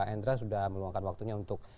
endra sudah meluangkan waktunya untuk